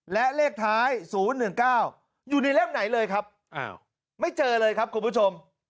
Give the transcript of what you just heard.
และเลขท้าย๐๑๙อยู่ในเล่มไหนเลยครับไม่เจอเลยครับคุณผู้ชม